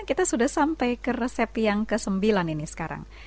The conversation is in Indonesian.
kita sudah sampai ke resep yang ke sembilan ini sekarang